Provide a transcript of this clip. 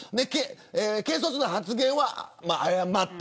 軽率な発言は謝った。